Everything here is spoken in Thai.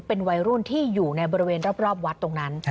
เป็นวัยรุ่นที่อยู่ในบริเวณรอบวัดตรงนั้น